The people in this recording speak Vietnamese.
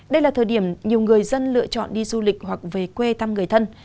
đây là thời điểm nhiều người dân lựa chọn đi du lịch hoặc về quê thăm người thân